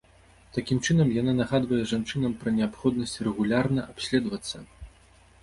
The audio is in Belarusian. Такім чынам яна нагадвае жанчынам пра неабходнасць рэгулярна абследавацца.